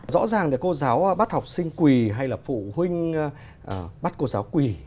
rõ ràng thì cô giáo bắt học sinh quỳ hay là phụ huynh bắt cô giáo quỳ